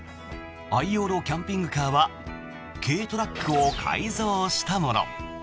愛用のキャンピングカーは軽トラックを改造したもの。